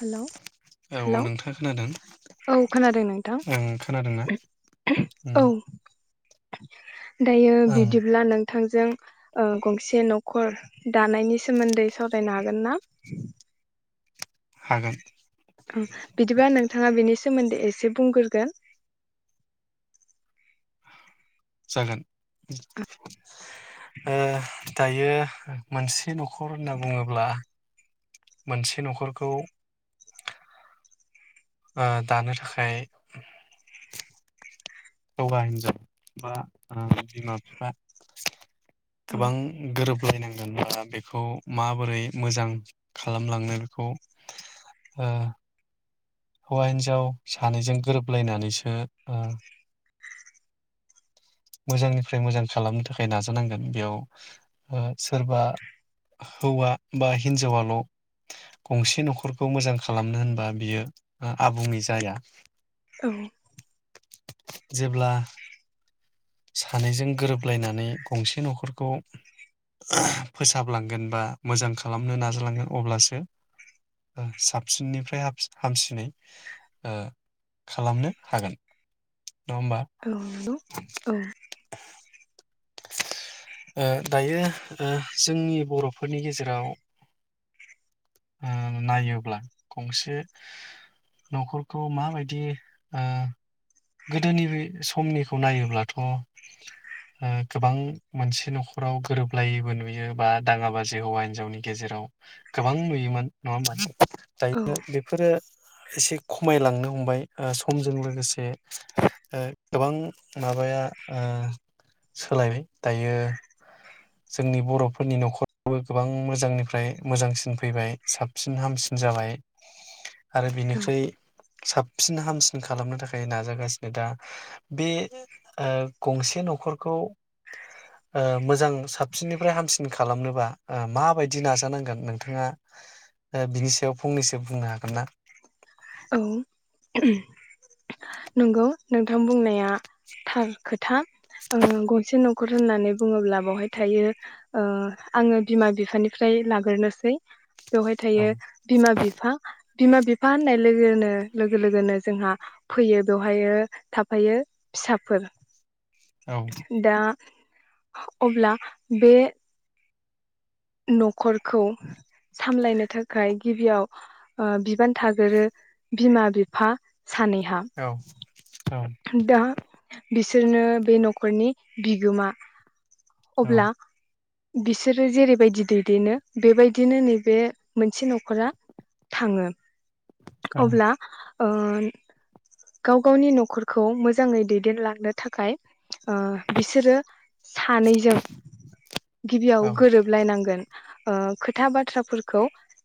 Hello hello औ नोंथां खोनादों औ खोनादों नोंथां ओं खोनादोंना उम औ। दायो ओं बिदिब्ला नों थांजों ओ गंसे न'खर दानायनि सोमोन्दै सावरायनो हागोन ना? हागोन। ओं बिदिबा नोंथाङा बेनि सोमोन्दै एसे बुंग्रोगोन। जागोन ओ दायो मोनसे नख खर होनना बुङोब्ला मोनसे न'खरखौ ओ दानो थाखाय हौवा हिनजाव बा ओ बिमा बिफा औ गोबां गोरोब लायनांगोन बा बेखौ माबोरै मोजां खालामलांनो बेखौ ओ हौवा हिन्जाव सानैजों गोरोबलायनानैसो ओ मोजांनिफ्राय मोजां खालामनो थाखाय नाजानांगोन बेयाव ओ सोरबा हौवा बा हिनजावाल' गंसे न'खरखौ मोजां खालामनो होनबा बियो आबुङै जाया। औ जेब्ला सानैजों गोरोबलायनानै गंसे न'खरखौ फोसाबलांगोन बा मोजां खालामनो नाजालांगोन अब्लासो ओ साबसिननिफ्राय हामसिनै ओ खालामनो हागोन। नङा होमबा औ नंगौ औ। ओ दायो ओ जोंनि बर'फोरनि गेजेराव ओ नायोब्ला गंसे न'खरखौ माबायदि ओ गोदोनि समनिखौ नायोब्लाथ' ओ गोबां मोनसे न'खराव गोरोबलायैबो नुयो बा दाङाबाजि हौवा हिनजावनि गेजेराव गोबां नुयोमोन नङा होमबा? औ दायो बेफोरो एसे खमायलांनो हमबाय ओ समजों लोगोसे ओ गोबां माबाया ओ सोलायबाय दायो जोंनि बर'फोरनि न'खरावबो गोबां मोजांनिफ्राय मोजांसिन फैबाय साबसिन हामसिन जाबाय आरो औ बिनिख्रुइ साबसिन हामसिन खालामनो थाखाय नाजागासिनो। दा बे ओ गंसे न'खरखौ ओ मोजां साबसिननिफ्राय हामसिन खालामनोबा ओ माबायदि नाजानांगोन नोंथाङा ओ बिनि सायाव फंनैसो बुंनो हागोन ना? औ नंगौ नोंथां बुंनाया थार खोथा ओ गंसे न'खर होननानै बुङोब्ला बावहाय थायो ओ आङो बिमा बिफानिफ्राय लाग्रोसै बेवहाय औ थायो बिमा बिफा बिमा बिफा होननाय लोगोनो लोगो लोगोनो जोंहा फैयो बेवहायो थाफायो फिसाफोर औ दा अब्ला बे न'खरखौ सामलायनो थाखाय गिबियाव ओ बिबान थागोरो बिमा बिफा सानैहा। औ औ दा बिसो बिसोरनो बे न'खरनि बिगोमा। औ अब्ला बिसोरो जेरैबायदि दैदेनो बेबायदिनो नैबे मोनसे न'खरा थाङो। औ अब्ला ओन‌ गाव गावनि न'खरखौ मोजाङै दैदेनलांनो थाखाय ओ बिसोरो सानैजों गिबियाव औ गोरोबलायनांगोन। ओ खोथा बाथ्राफोरखौ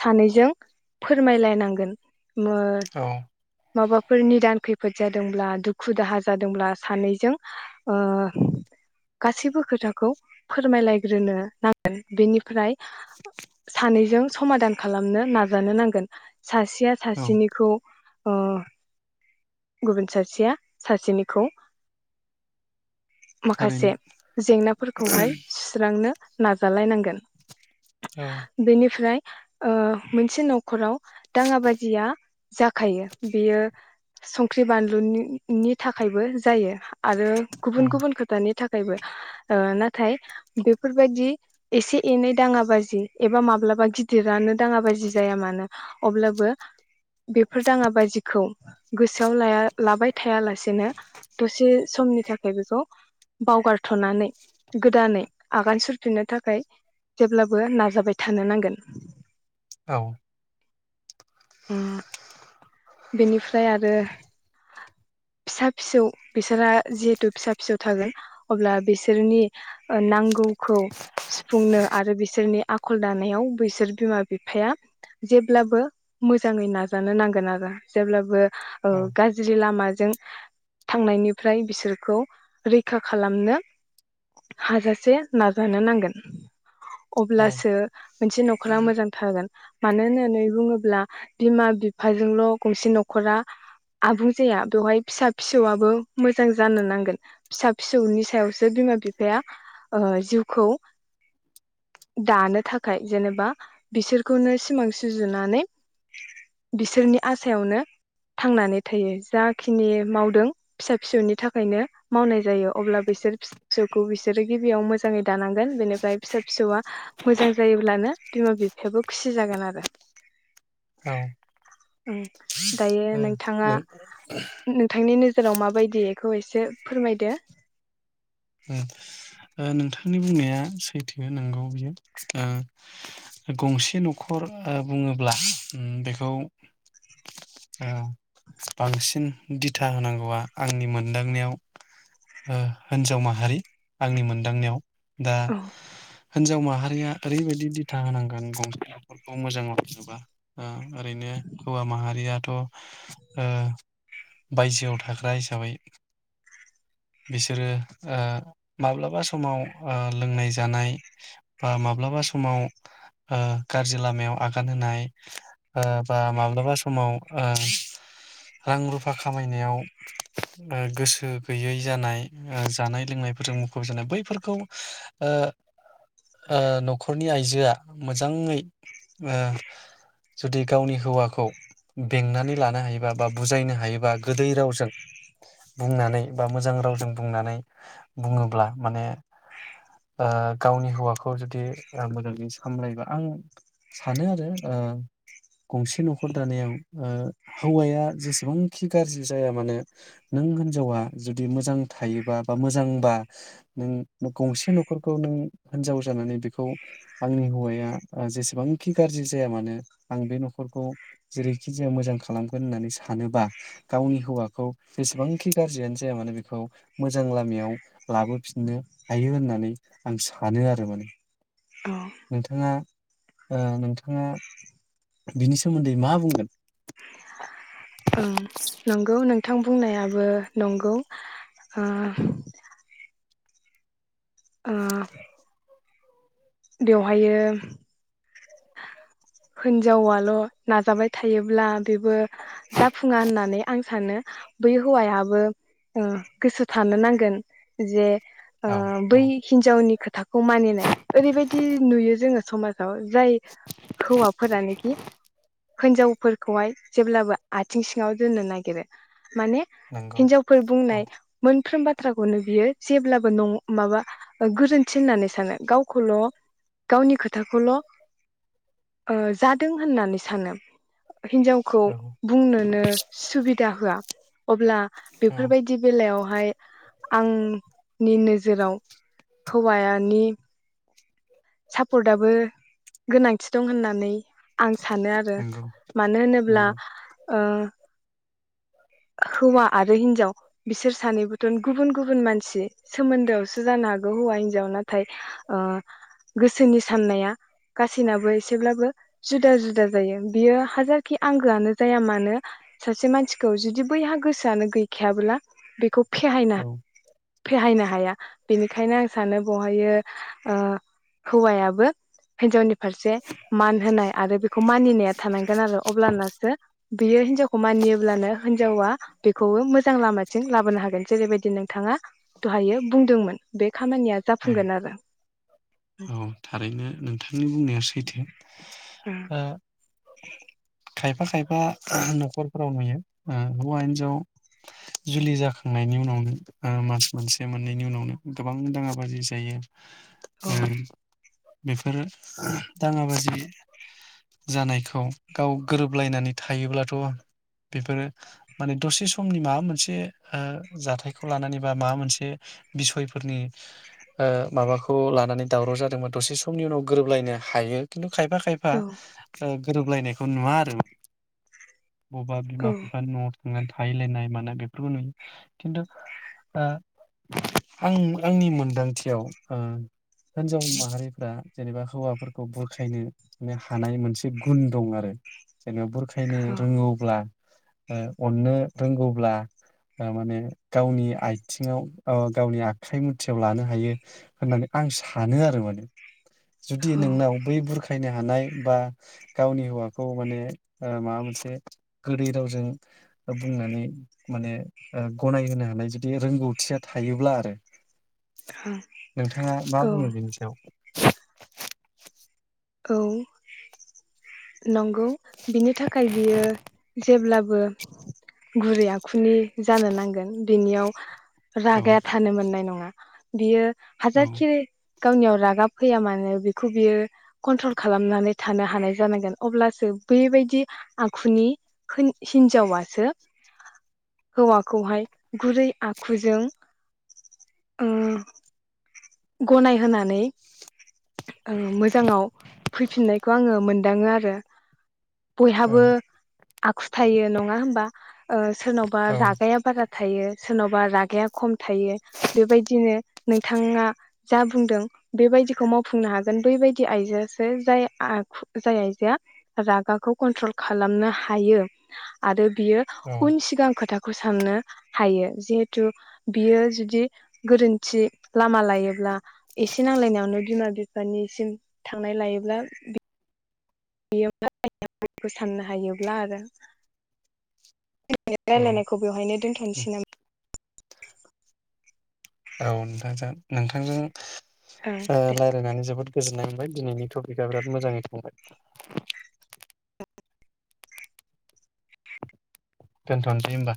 सानैजों फोरमायलायनांगोन। मो औ माबाफोर निदान खै फोद जादोंब्ला दुखु दाहा जादोंब्ला सानैजों ओ गासैबो खोथाखौ फोरमायलायग्रोनो नांगोन बिनिफ्राय सानैजों समादान खालामनो नाजानो नांगोन। सासेया औ सासेनिखौ अ गुबुन सासेया सासेनिखौ माखासे थारैनो। जेंनाफोरखौहाय सुस्रांनो नाजालायनां गोन औ बेनिफ्राय ओ मोनसे न' खराव दाङा बाजिया जाखायो बेयो संख्रि बानलुनि नि थाखायबो जायो। आरो औ गुबुन गुबुन खोथानि था खायबो। ओ नाथाय बेफोरबायदि एसे एनै दाङाबाजि एबा माब्लाबा गिदिरानो दाङाबाजि जाया मानो अब्लाबो बेफोर दाङा बाजिखौ गोसोआव लाया लाबाय थायालासेनो दसे समनि थाखाय बेखौ बावगार थ'नानै गोदानै आगान सुरफिननो थाखाय जेब्लाबो नाजाबाय थानो नांगोन। औ [inaudible] बेनिफ्राय आरो फिसा फिसौ बिसोरहा जिहेथु फिसा फिसौ थागोन अब्ला बिसोरनि ओ नांगौखौ सुफुंनो आरो बिसोरनि आखल दानायाव बैसोर बिमा बिफाया जेब्लाबो मोजाङै नाजानो नांगोन आरो। जेब्लाबो औ गाज्रि लामा जों थांनायनिफ्राय बिसोरखौ रैखा खालामनो हाजासे नाजानो नांगोन। औ अब्लासो मोनसे न'खरा मोजां थागोन। मानो होननानै बुङोब्ला बिमा बिफाजोंल'। गंसे न'खरा आबुं जाया बेवहाय फिसा फिसौआबो मोजां जानो नांगोन फिसा फिसौनि सायावसो बिमा बिफाया ओ जिउखौ दानो थाखाय जेनेबा बिसोरखौनो सिमां सुजुनानै बिसोरनि। आसायावनो थांनानै थायो जाखिनि मावदों फिसा फिसौनि थाखायनो मावनाय जायो अब्ला बिसोर फिसा फिसौखौ बिसोरो गिबियाव मोजाङै दानांगोन बेनिफ्राय फिसा फिसौआ मोजां जायोब्लानो बिमा बिफायाबो खुसि जागोन आरो। ओ उम दायो नों नों नोंथांनि नोजोराव माबायदि एखौ एसे फोरमायदो। उम ओ नोंथांनि बुंनाया सैथो नोंगौ बियो ओ गंसे न'खर ओ बुङोब्ला बेखौ ओ बांसिन दिथा होनांगौवा आंनि मोनदांनायाव ओ हिनजाव माहारि आंनि मोन दांनायाव। दा औ हिनजाव माहारिया ओरैबायदि दिथा होनांगोन गंसे खौ मोजां मोनोबा ओरैनो हौवा माहारियाथ'। ओ बायजोआव थाग्रा हिसाबै बिसोरो ओ माब्लाबा सम। समाव ओ लोंनाय जानाय बा माब्लाबा समाव ओ गाज्रि लामायाव आगान होनाय ओ बा माब्लाबा समाव आ रां रुफा खामायनायाव ओ गोसो गैयै ओ जानाय लोंनायफोरजों मुखुब जानाय बै। बेफोरखौ ओ-ओ न'खरनि आइजोआ मोजाङै ओ जुदि गावनि हौवाखौ बेंनानै लानो हायोबा बा बुजायनो हायोबा गोदै रावजों बुंनानै बा मोजां रावजों बुंनानै बुङोब्ला माने। ओ गावनि हौवाखौ जुदि मोजां सामलायोबा आं सानो आरो ओ गंसे न'खर दानायाव ओ हौवाया जेसेबांखि गाज्रि जाया मानो नों हिनजावा जुदि मोजां थायोबा बा मोजांबा नों। गंसे न'खरखौ नों हिनजाव जानानै बेखौ आंनि हौवाया आ जेसेबांखि गाज्रि जाया मानो आं बे न'खरखौ जेरैखि जाया मोजां खालामगोन होननानै सानोबा गावनि हौवाखौ जेसेबांखि गाज्रियानो जाया मानो बेखौ मोजां लामायाव लाबोफिनो। हायो होननानै आं सानो आरो माने औ नोंथाङा ओ नोंथाङा बिनि सोमोन्दै मा बुंगोन? ओं नंगौ नोंथां बुंनायाबो नंगौ आ। आ। बेवहायो। थायो। अब्ला बेबो जाफुङा होननानै। आं सानो बै हौवायाबो ओ गोसो थानो नांगोन जे। आ औ बै औ हिजावनि। खोथाखौ मानिनाय ओरैबायदि नुयो जोङो समाजाव जाय। हौवाफोरानोखि हिनजावफोरखौहाय जेब्लाबो आथिं सिङाव दोननो नागिरो। माने नंगौ हिन्जावफोर औ बुंनाय। मोनफ्रोम बाथ्राखौनो बियो जेब्लाबो नं माबा गोरोन्थि होननानै सानो गावखौल गावनि खोथाखौल। ओ जादों होननानै सानो। हिनजावखौ जागौ बुंनोनो। सुबिदा होआ अब्ला औ बेफोरबायदि बेलायावहाय आंनि नोजोराव हौवानि। सापर्टआबो गोनांथि दं होननानै आं सानो आरो नंगौ मानो होनोब्ला नंगौ ओ। हौवा आरो हिनजाव बिसोर सानैबोथ' गुबुन-गुबुन मानसि सोमोन्दोआवसो जानो हागौ हौवा हिनजाव नाथाय आ गोसोनि साननाया गासैनाबो एसेब्लाबो जुदा-जुदा जायो बियो हाजारखि आंगोआनो जाया मानो सासे मानसिखौ जु दि बैहा गोसोआनो गैखायाबोला बेखौ। फेहायना औ फेहायनो हाया बेनिखायनो आं सानो बेवहाय आ हौवायाबो हिन्जावनि फारसे मान होनाय आरो बेखौ मानिनाया थानांगोन आरो अब्लानासो बियो हिनजावखौ मानियोब्लानो। हिनजावा बेखौबो मोजां लामाथिं लाबोनो हागोन जेरैबायदि नोंथाङा दहाय बुंदोंमोन बे खामानिया औ जाफुंगोन आरो। थारैनो नोंथांनि बुंनाया सैथो उम आ। खायफा-खायफा न'खरफोराव नुयो ओ हौवा हिनजाव जुलि जाखांनायनि उनावनो ओ मास मोनसे मोननैनि उनावनो गोबां दाङाबाजि जायो। औ उम। बेफोरो दाङाबाजि जानायखौ गाव गोरोबलायनानै थायोब्लाथ' बेफोरो माने दसे समनि माबा मोनसे आ जाथायखौ लानानै बा माबा मोनसे बिसयफोरनि आ माबाखौ लानानै दावराव जादों। दों दसे समनि उनाव गोरोबलायनो हायो खिन्थु। खायफा-खायफा औ ओ। गोरोबलायनायखौ नुवा आरो। बबा औ बिमा-बिफानि न आव। थांनानै थाहैलायनाय मानाय बेफोरखौ नुयो खिन्थु आ आं आंनि मोनदांथियाव ओ हिनजाव। माहारिफ्रा जेनेबा हौवाफोरखौ बुरखायनो हानाय मोनसे गुन दं आरो। जेनबा बुरखायनो औ रोङोब्ला। ओ अननो रोंगौब्ला ओ माने गावनि आथिङाव गावनि ओ आखाइ मुथिआव लानो हायो होननानै आं सानो आरो माने। जुदि औ नोंनाव बै बुरखायनो हानाय बा गावनि हौवाखौ माने ओ माबा मोनसे गोदै रावजों ओ बुंनानै माने ओ गनायहोनो हानाय जुदि रोंगौथिया थायोब्ला आरो। औ नोंथाङा मा बुङो बेनि सायाव? औ। नंगौ बिनि थाखाय बियो जेब्लाबो गुरै आखुनि जानो नांगोन बिनियाव औ रागाया थानो मोननाय नङा। बियो औ हाजार खि गावनियाव रागा फैया मानो बेखौ बियो कन्ट्रल खालामनानै थानो हानाय जानांगोन अब्लासो बेबायदि आखुनि होन-हिन्जावासो हौवाखौहाय गुरै आखुजों ओ गनाय होनानै ओं मोजाङाव फैफिननायखौ आङो मोनदाङो आरो। औ बयहाबो आखुथाइ थायो नङा होमबा? ओ सोरनावबा औ रागाया बारा थायो सोरनावबा रागाया खम थायो बेबायदिनो नोंथाङा जा बुंदों बेबायदिखौ माव खुंनो हागोन बैबायदि आइजोआसो जाय आखु जाय आइजोआ रागाखौ कन्ट्रल खालामनो हायो आरो ब बियो औ उन सिगां खोथाख खौ साननो हायो। जिहेथु बियो जुदि गोरोन्थि लामा लायोब्ला एसे नांलायनायावनो बिमा बि बिफानिसिम थांनाय लायोब्ला बि [unintelligible] साननो हायोब्ला आरो। [unintelligible] औ रायलायनायखौ बेवहायनो दोन्थ'नोसै नाम औ नोंथांजों नोंथांजों ओं ओ दे रायलायनानै जोबोद गोजोननाय मोनबाय दिनैनि टपिकआ बिराद मोजाङै थांबाय। दोनथ'नोसै होमबा।